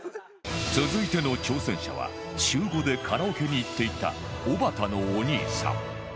続いての挑戦者は週５でカラオケに行っていたおばたのお兄さん